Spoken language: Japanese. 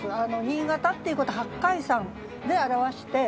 新潟っていうこと「八海山」で表して。